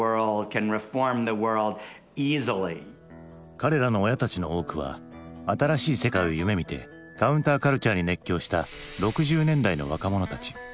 彼らの親たちの多くは新しい世界を夢みてカウンターカルチャーに熱狂した６０年代の若者たち。